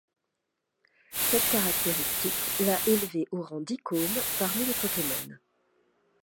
Cette caractéristique l'a élevé au rang d'icône parmi les Pokémon.